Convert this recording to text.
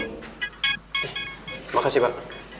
eh makasih pak